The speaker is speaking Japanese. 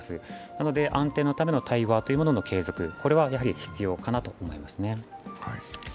なので安定のための対話というものの継続は必要かなと思います。